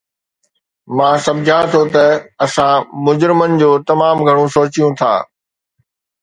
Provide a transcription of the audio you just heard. مان سمجهان ٿو ته اسان مجرمن جو تمام گهڻو سوچيو ٿا